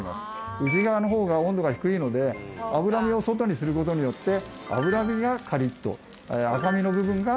内側の方が温度が低いので脂身を外にする事によって。と焼く事ができます。